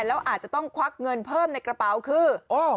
แล้วอาจจะต้องควักเงินเพิ่มในกระเป๋าคือ